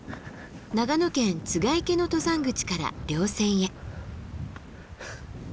長野県栂池の登山口から稜線へ。